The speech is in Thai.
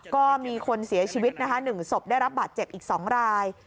ก็มีคนเสียชีวิตนะคะ๑ศพได้รับบาดเจ็บอีก๒ราย